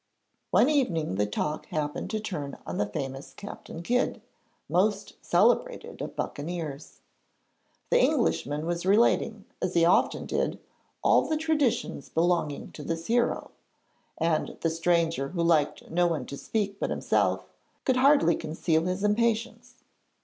One evening the talk happened to turn on the famous Captain Kidd, most celebrated of buccaneers. The Englishman was relating, as he often did, all the traditions belonging to this hero, and the stranger who liked no one to speak but himself, could hardly conceal his impatience.